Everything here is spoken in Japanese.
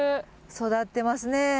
育ってますね。